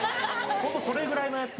ホントそれぐらいのヤツ。